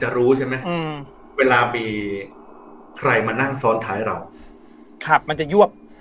รู้ใช่ไหมอืมเวลามีใครมานั่งซ้อนท้ายเราครับมันจะยวบ